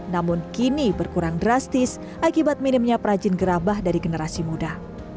namun kini berkurang drastis akibat minimnya perajin gerabah dari generasi muda